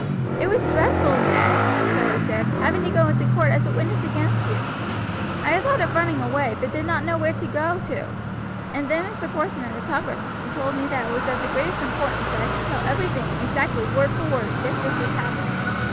"It was dreadful, Ned," Charlie said, "having to go into court as a witness against you. I had thought of running away, but did not know where to go to, and then Mr. Porson had a talk with me and told me that it was of the greatest importance that I should tell everything exactly word for word, just as it happened.